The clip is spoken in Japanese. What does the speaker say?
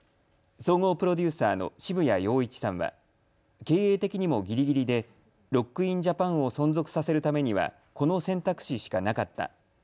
総合プロデューサーの渋谷陽一さんは経営的にもぎりぎりでロック・イン・ジャパンを存続させるためにはこの選択肢しかなかった。